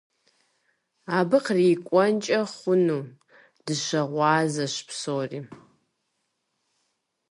Абы кърикӀуэнкӀэ хъунум дыщыгъуазэщ псори.